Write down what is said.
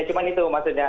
ya cuma itu maksudnya